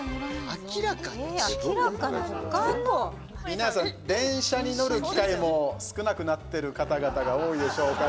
皆さん、電車に乗る機会も少なくなってる方々が多いでしょうから。